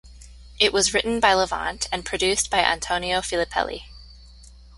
It was written by Levante and produced by Antonio Filippelli.